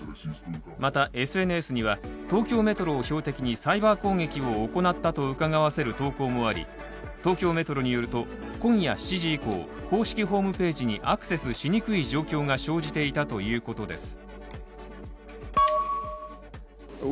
またＳＮＳには東京メトロを標的にサイバー攻撃を行ったとうかがわせる投稿もあり東京メトロによると今夜７時以降、公式ホームページにアクセスしにくい状況が生じていたということです。